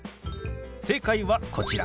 正解はこちら。